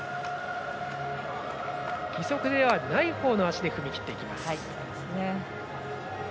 義足ではないほうの足で踏み切っていきます。